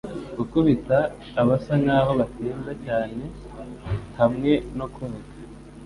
gukubita abasa nkaho batinda cyane hamwe no koga